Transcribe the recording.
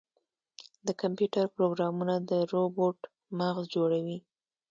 د کمپیوټر پروګرامونه د روبوټ مغز جوړوي.